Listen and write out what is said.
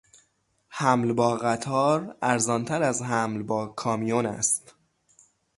حمل با قطار ارزانتر از حمل با کامیون است.